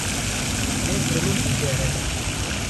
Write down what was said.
Yek li min digere.